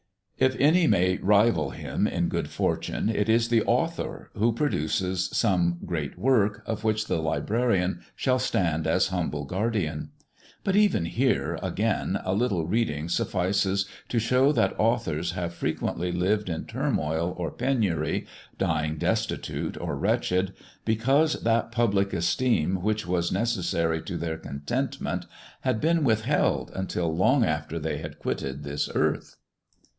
If any may rival him in good Fortune, it is the Author, who produces some great Work of which the Librarian shall stand as humble Guardian. But even here, again, a little reading suf fices to show that Authors have frequently lived in Turmoil or Penury, dying Destitute or wretched, because that Publick Elsteem which was necessary to their Contentment had been withheld untfl long after they had quitted this Elarth.